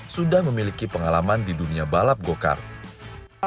sudah memiliki pengalaman di dunia balap go kart